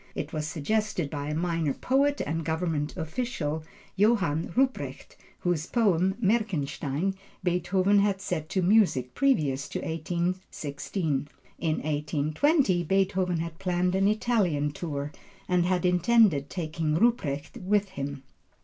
It was suggested by a minor poet and government official, Johann Ruprecht, whose poem, Merkenstein, Beethoven had set to music previous to 1816. In 1820 Beethoven had planned an Italian tour and had intended taking Ruprecht with him.